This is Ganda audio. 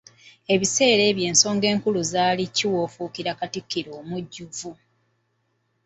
Ebiseera ebyo ensonga enkulu zaali ki w’ofuukira Katikkiro omujjuvu?